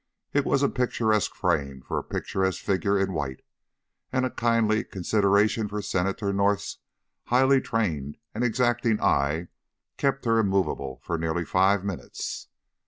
It was a picturesque frame for a picturesque figure in white, and a kindly consideration for Senator North's highly trained and exacting eye kept her immovable for nearly five minutes.